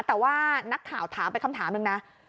แต่ว่านักข่าวถามไปคำถามหนึ่งนะ